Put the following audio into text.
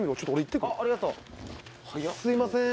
「すいません